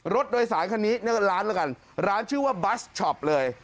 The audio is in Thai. รถโดยสารคันนี้เรียกว่าร้านแล้วกันร้านชื่อว่าบัสช็อปเลย